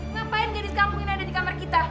ngapain gadis kampung ini ada di kamar kita